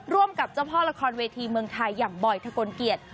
ร่วมกับเจ้าพ่อละครเวทีเมืองไทยอย่างบอยทะกลเกียรติ